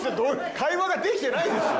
会話ができてないんですよ。